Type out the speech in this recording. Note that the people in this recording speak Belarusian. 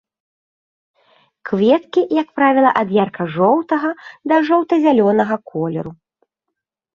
Кветкі, як правіла, ад ярка-жоўтага да жоўта-зялёнага колеру.